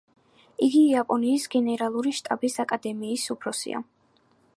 იგი იაპონიის გენერალური შტაბის აკადემიის უფროსია.